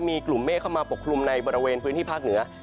มีกลุ่มเมฆเข้ามาปกคลุมในบริเวณพื้นที่ภาคเหนือ